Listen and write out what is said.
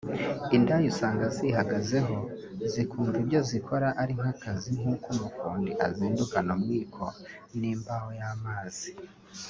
Indaya usanga zihagazeho zikumva ibyo zikora ari nk’akazi nk’uko umufundi azindukana umwiko n’imbaho y’amazi